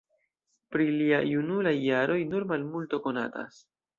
Pri lia junulaj jaroj nur malmulto konatas.